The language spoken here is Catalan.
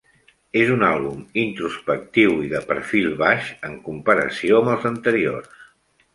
És un àlbum introspectiu i de perfil baix en comparació amb els anteriors.